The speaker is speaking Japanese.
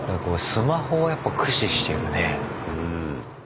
スマホをやっぱ駆使してるね。